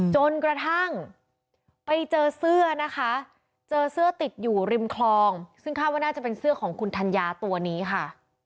จนกระทั่งไปเจอเสื้อนะคะเจอเสื้อติดอยู่ริมคลองซึ่งคาดว่าน่าจะเป็นเสื้อของคุณธัญญาตัวนี้ค่ะ